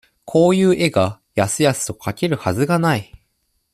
こういう絵が、やすやすと描けるはずはない。